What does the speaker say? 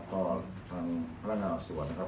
ส่วนของพลังงานส่วนนะครับ